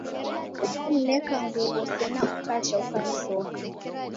Omneka nguw'o sena ukacha ukamsoka.